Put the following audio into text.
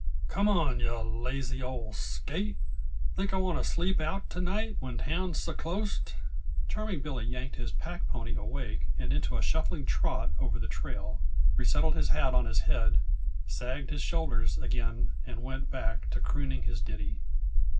"C'm awn, yuh lazy old skate! Think I want to sleep out to night, when town's so clost?" Charming Billy yanked his pack pony awake and into a shuffling trot over the trail, resettled his hat on his head, sagged his shoulders again and went back to crooning his ditty.